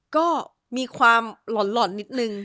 ก็มีความหล่อนนิดนึง